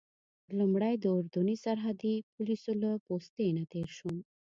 لومړی د اردني سرحدي پولیسو له پوستې نه تېر شوم.